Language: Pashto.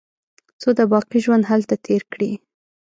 څو د باقي ژوند هلته تېر کړي.